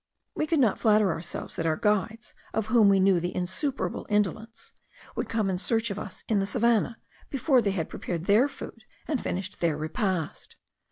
We could not flatter ourselves that our guides, of whom we knew the insuperable indolence, would come in search of us in the savannah before they had prepared their food and finished their repast.